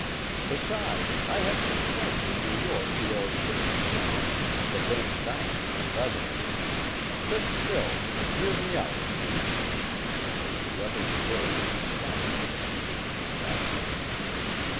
Besides I have some friends in New York who are pretty strong the Van Duyns and others sit still and hear me out, please," as the others rose in astonishment at the mention of that name.